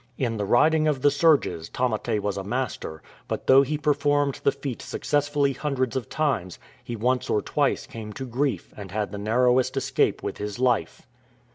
In the " riding of the surges '"' Tamate was a master, but though he per formed the feat successfully hundreds of times, he once or twice came to grief and had the narrowest escape with his life.